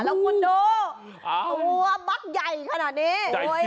แล้วคุณดูตัวบักใหญ่ขนาดนี้